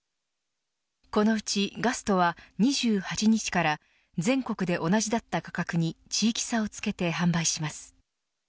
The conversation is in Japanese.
このうちガストは２８日から全国で同じだった価格に地域差をつけて販売します。